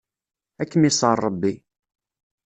Ad kem-iṣer Ṛebbi.